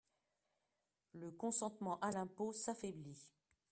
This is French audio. Le consentement à l’impôt s’affaiblit.